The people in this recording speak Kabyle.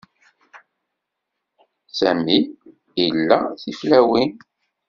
Sami ila tiwlafin.